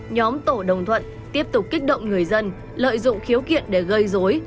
nhóm tổ đồng thuận tiếp tục kích động người dân lợi dụng khiếu kiện để gây dối